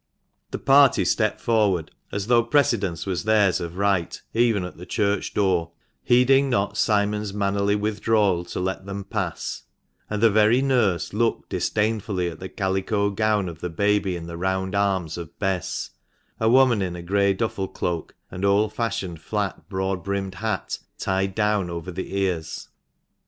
The party stepped forward as though precedence was theirs of right even at the church door, heeding not Simon's mannerly withdrawal to let them pass ; and the very nurse looked disdainfully at the calico gown of the baby in the round arms of Bess, a woman in a grey duffle cloak and old fashioned flat, broad brimmed hat, tied down over the ears.